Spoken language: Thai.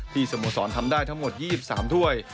สโมสรทำได้ทั้งหมด๒๓ถ้วย